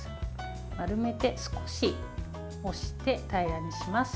丸めて、少し押して平らにします。